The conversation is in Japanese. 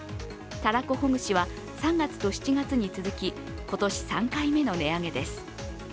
たらこほぐしは、３月と７月に続き今年３回目の値上げです。